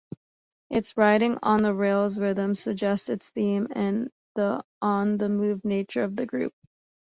Its riding-on-the-rails rhythm suggests its theme and the on-the-move nature of the group.